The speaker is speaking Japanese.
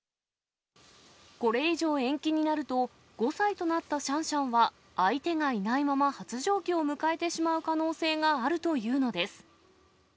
これ以上延期になると、５歳となったシャンシャンは、相手がいないまま、発情期を迎えてしまう可能性があるというのです。